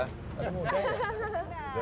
paling muda enggak